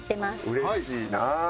うれしいな。